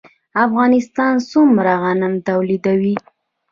افغانستان څومره غنم تولیدوي؟